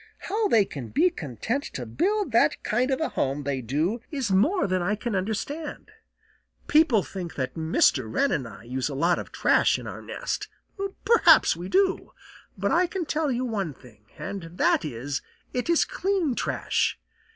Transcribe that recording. How they can be content to build the kind of a home they do is more than I can understand. People think that Mr. Wren and I use a lot of trash in our nest. Perhaps we do, but I can tell you one thing, and that is it is clean trash.